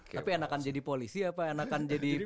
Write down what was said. tapi enakan jadi polisi ya pak enakan jadi